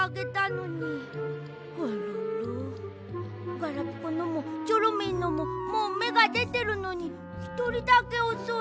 ガラピコのもチョロミーのももうめがでてるのにひとりだけおそい。